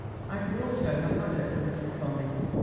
" I've brought home a haddock, Mrs. Bonny.